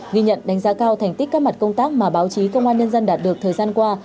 ghi nhận đánh giá cao thành tích các mặt công tác mà báo chí công an nhân dân đạt được thời gian qua